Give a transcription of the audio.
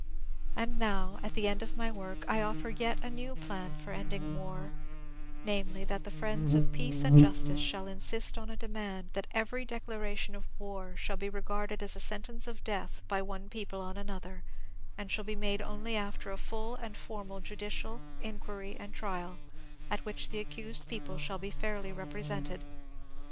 And now, at the end of my work, I offer yet a new plan for ending war, — namely, that the friends of peace and jus tice shall insist on a demand that every declaration of war shall be regarded as a sentence of death by one people on an other, and shall be made only after a full and formal judicial inquiry and trial, at which the accused people shall be fairly represented.